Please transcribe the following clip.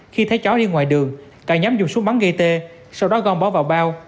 khi thấy chó đi ngoài đường cả nhóm dùng súng bắn gây tê sau đó gom bỏ vào bao